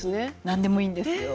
何でもいいんですよ。